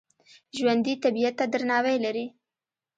ژوندي طبیعت ته درناوی لري